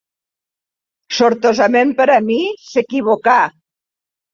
Sortosament per a mi, s'equivocà